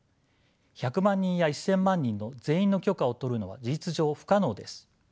１００万人や１，０００万人の全員の許可を取るのは事実上不可能です。